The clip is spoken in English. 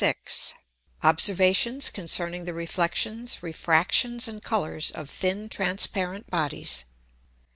_ _Observations concerning the Reflexions, Refractions, and Colours of thin transparent Bodies.